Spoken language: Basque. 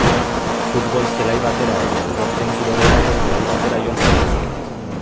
Futbol zelai batera edo edozein kiroletako zelai batera joan zaitezke.